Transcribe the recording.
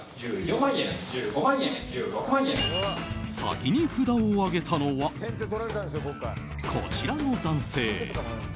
先に札を上げたのはこちらの男性。